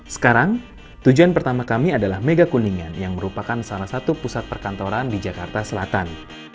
sekarang tujuan pertama kami adalah mega kuningan yang merupakan salah satu pusat perkantoran di jakarta selatan